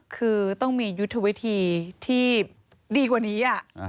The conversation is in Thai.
คือต้องมียุทธวิธีที่ดีกว่านี้